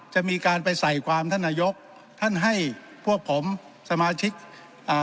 จะมีการไปใส่ความท่านนายกท่านให้พวกผมสมาชิกอ่า